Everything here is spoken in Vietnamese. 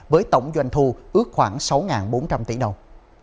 với tổng doanh thu ước khoảng sáu bốn trăm linh tỷ đồng